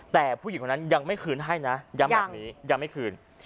แต่ผู้หญิงคนนั้นยังไม่คืนให้นะย้ำแบบนี้ยังไม่คืน